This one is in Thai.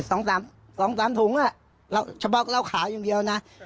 โอ๊ยสองสามถุงชะพาวเหล้าขาวอย่างเดียวนะ